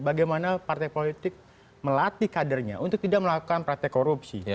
bagaimana partai politik melatih kadernya untuk tidak melakukan praktek korupsi